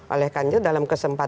oleh karena itu dalam kesempatan